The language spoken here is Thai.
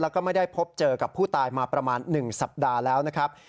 แล้วก็ไม่ได้พบเจอกับผู้ตายมาประมาณ๑สัปดาห์แล้วนะครับ